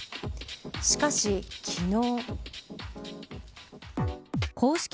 しかし、昨日。